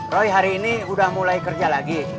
roy hari ini udah mulai kerja lagi